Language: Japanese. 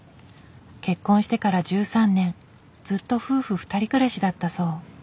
結婚してから１３年ずっと夫婦２人暮らしだったそう。